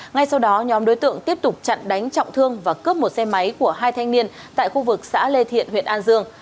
ngay sau đó nhóm đối tượng tiếp tục chặn đánh trọng thương và cướp một xe máy của hai thanh niên tại khu vực xã lê thiện huyện an dương